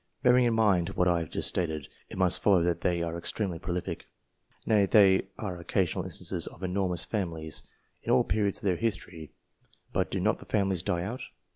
Bearing in mind what I have just stated, it must follow that they are extremely prolific. Nay, there are occasional instances of enormous families, in all periods of their history. But do not the families die out